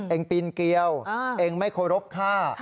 เองปีนเกลี้ยวเองไม่โครบท่า